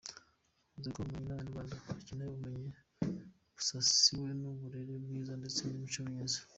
Avuze ko ubumenyi Abanyarwanda bakeneye ubumenyi busasiwe n’uburere bwiza ndetse n’imico myiza.